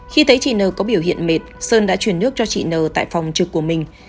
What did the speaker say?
khi thấy chị t t b n có biểu hiện mệt sơn đã chuyển nước cho chị t t b n tại phòng trực của mình